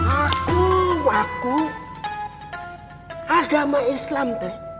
aku aku agama islam teh